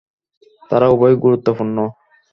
তারা উভয় গুরুত্বপূর্ণ।